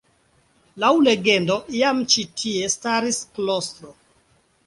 Laŭ legendo iam ĉi tie staris klostro.